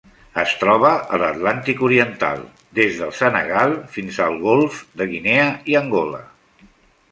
Es troba a l'Atlàntic oriental: des del Senegal fins al Golf de Guinea i Angola.